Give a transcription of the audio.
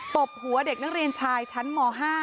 ตบหัวเด็กนักเรียนชายชั้นม๕